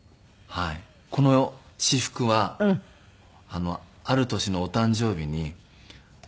この私服はある年のお誕生日に上下。